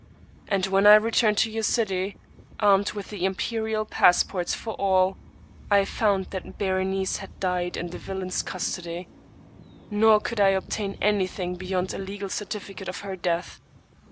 And when I returned to your city, armed with the imperial passports for all, I found that Berenice had died in the villain's custody ; nor could I ob tain anything beyond a legal certificate of her death.